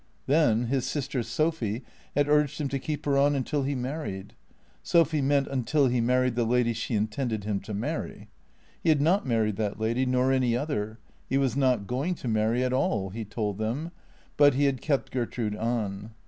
Then his sister Sophy had urged him to keep her on until he married. Sophy meant until he mar ried the lady she intended him to marry. He had not married that lady nor any other; he was not going to marry at all, he told them. But he had kept Gertrude on.